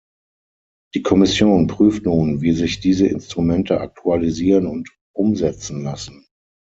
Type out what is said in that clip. Die Kommission prüft nun, wie sich diese Instrumente aktualisieren und umsetzen lassen.